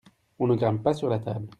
on ne grimpe pas sur la table.